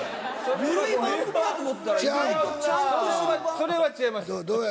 それは違います。